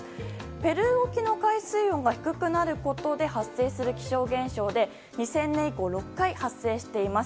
ペルー沖の海水温が低くなることで発生する気象現象で２０００年以降６回発生しています。